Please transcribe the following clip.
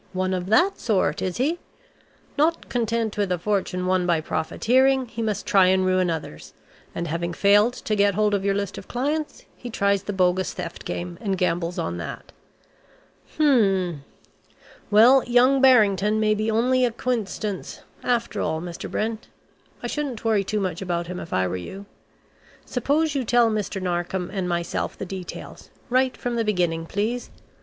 "One of that sort is he? Not content with a fortune won by profiteering, he must try and ruin others; and having failed to get hold of your list of clients, he tries the bogus theft game, and gambles on that. Hmm! Well, young Barrington may be only a coincidence after all, Mr. Brent. I shouldn't worry too much about him if I were you. Suppose you tell Mr. Narkom and myself the details, right from the beginning, please?